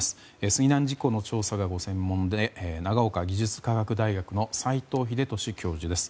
水難事故調査がご専門で長岡技術科学大学の斎藤秀俊教授です。